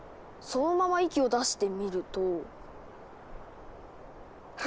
そのまま息を出してみると。